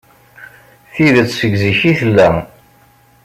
Tidet seg zik i tella.